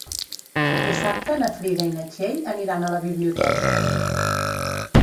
Dissabte na Frida i na Txell aniran a la biblioteca.